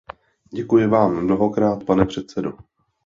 Děkuji vám mnohokrát, pane předsedo.